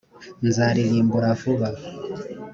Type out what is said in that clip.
nzaririmbura vuba.